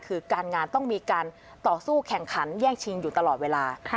คือการงานต้องมีการต่อสู้แข่งขันแยกชิงอยู่ตลอดเวลา